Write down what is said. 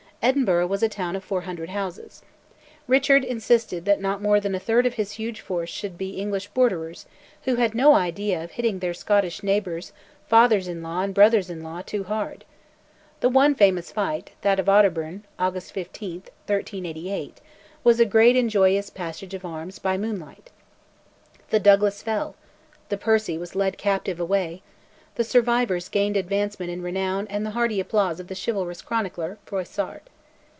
Edinburgh was a town of 400 houses. Richard insisted that not more than a third of his huge force should be English Borderers, who had no idea of hitting their Scottish neighbours, fathers in law and brothers in law, too hard. The one famous fight, that of Otterburn (August 15, 1388), was a great and joyous passage of arms by moonlight. The Douglas fell, the Percy was led captive away; the survivors gained advancement in renown and the hearty applause of the chivalrous chronicler, Froissart.